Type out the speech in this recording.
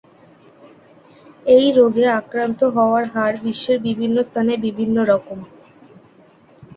এই রোগে আক্রান্ত হওয়ার হার বিশ্বের বিভিন্ন স্থানে বিভিন্ন রকম।